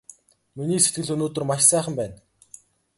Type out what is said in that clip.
Миний сэтгэл өнөөдөр маш сайхан байна!